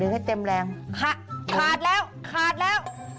ให้เต็มแรงขาดขาดแล้วขาดแล้ว